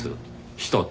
一つ。